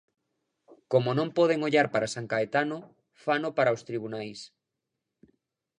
Como non poden ollar para San Caetano, fano para os tribunais.